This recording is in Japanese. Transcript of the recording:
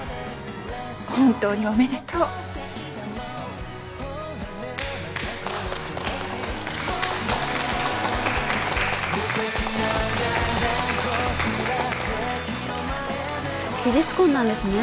本当におめでとう事実婚なんですね